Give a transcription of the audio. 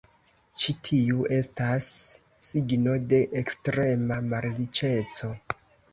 Ĉi tiu estas signo de ekstrema malriĉeco.